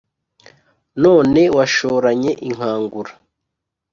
None washoranye inkangura*,